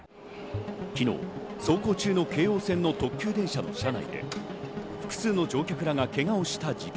昨日、走行中の京王線の特急電車の車内で複数の乗客らがけがをした事件。